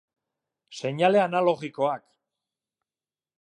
Seinale analogikoak.